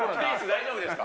大丈夫ですか。